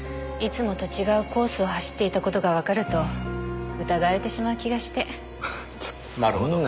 いつもと違うコースを走っていた事がわかると疑われてしまう気がして。